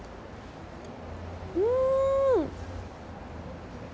うん！